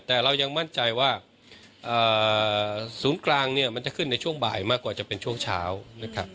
แต่เรายังมั่นใจว่าศูนย์กลางเนี่ยมันจะขึ้นในช่วงบ่ายมากกว่าจะเป็นช่วงเช้านะครับ